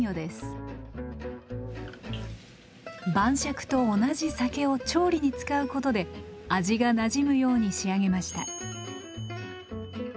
晩酌と同じ酒を調理に使うことで味がなじむように仕上げました。